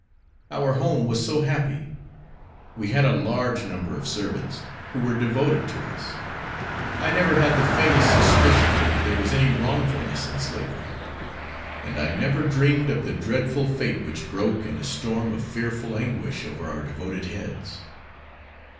Our home was so happy. We had a large number of servants, who were devoted to us. I never had the faintest suspicion that there was any wrongfulness in slavery, and I never dreamed of the dreadful fate which broke in a storm of fearful anguish over our devoted heads.